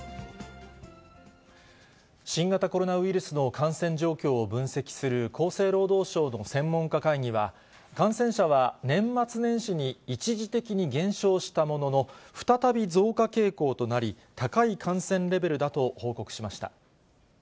新型コロナウイルスの感染状況を分析する厚生労働省の専門家会議は、感染者は年末年始に一時的に減少したものの、再び増加傾向となり、高い感染レベルだと報告しました。